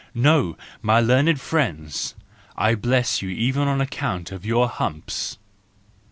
—No, my learned friends! I bless you even on account of your humps!